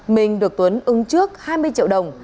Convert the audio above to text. minh được tuấn ứng trước hai mươi triệu đồng